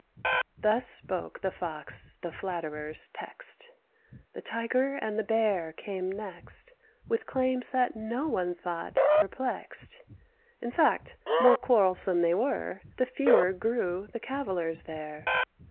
Thus spoke the Fox the flatterer's text. The Tiger and the Bear came next, With claims that no one thought perplexed. In fact, more quarrelsome they were, The fewer grew the cavillers there.